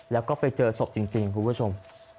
แล้วก็ไปเจอศพจริงคุณผู้ชม